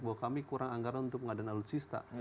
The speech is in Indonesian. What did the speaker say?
bahwa kami kurang anggaran untuk pengadaan alutsista